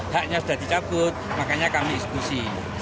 haknya sudah dicabut makanya kami eksekusi